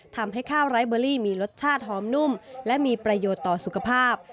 ทำให้ข้าวไร้เบอรี่มีรสชาติหอมนุ่มและมีประโยชน์ต่อสุขภาพ